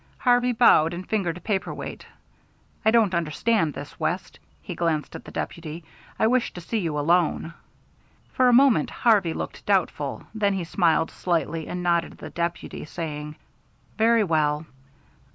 Harvey bowed, and fingered a paper weight. "I don't understand this, West." He glanced at the deputy. "I wish to see you alone." For a moment Harvey looked doubtful, then he smiled slightly, and nodded at the deputy, saying, "Very well."